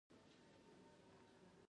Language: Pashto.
دا په یوه ناسته کې عملي او علمي مباحثه ده.